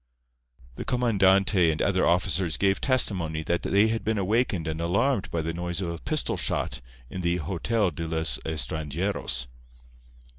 The comandante and other officers gave testimony that they had been awakened and alarmed by the noise of a pistol shot in the Hotel de los Estranjeros.